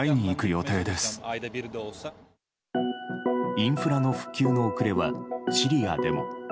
インフラの復旧の遅れはシリアでも。